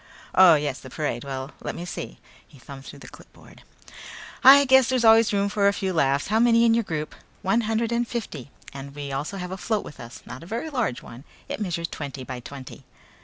"Oh, yes, the parade. Well, let me see," he thumbed through the clipboard, "I guess there's always room for a few laughs. How many in your group?" "One hundred and fifty. And we also have a float with us. Not a very large one. It measures twenty by twenty."